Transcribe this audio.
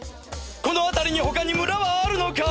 この辺りに他に村はあるのか？